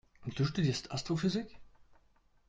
Und du studierst Astrophysik?